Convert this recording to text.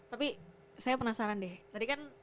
tapi saya penasaran deh tadi kan